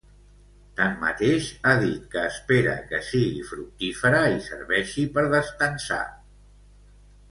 Tanmateix, ha dit que espera que sigui fructífera i serveixi per destensar.